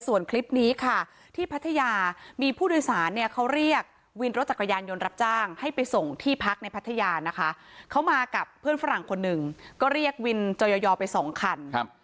ส่วนคลิปนี้ค่ะที่พัทยามีผู้โดยสารเนี่ยเขาเรียกวินรถจักรยานยนต์รับจ้างให้ไปส่งที่พักในพัทยานะคะเขามากับเพื่อนฝรั่งคนหนึ่งก็เรียกวินจอยอไปสองคันครับ